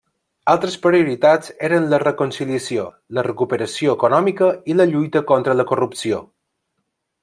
Altres prioritats eren la reconciliació, la recuperació econòmica i la lluita contra la corrupció.